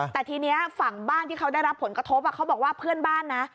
แต่ทีนี้ฝั่งบ้านที่เขาได้รับผลกระทบเขาบอกว่าเพื่อนบ้านนะ